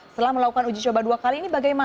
setelah melakukan uji coba dua kali ini bagaimana